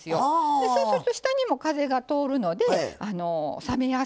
でそうすると下にも風が通るので冷めやすい。